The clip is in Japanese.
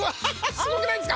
すごくないですか？